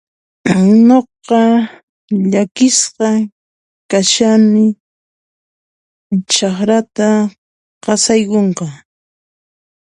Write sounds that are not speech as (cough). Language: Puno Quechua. (noise) Nuqa, llakisqa kashani chakrata qasaykunqa.